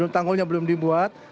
tanggulnya belum dibuat